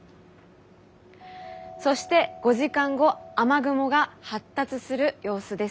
そして５時間後雨雲が発達する様子です。